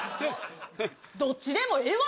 どっちでもええわ！